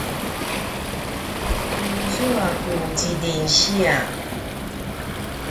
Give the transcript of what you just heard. izua ku zidinsiya